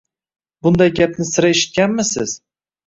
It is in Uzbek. Bunday gapni sira eshitganmisiz?